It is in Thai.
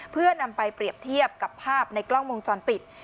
เพื่อนำไปเปรียบเทียบกับภาพในกล้องวงจรปิด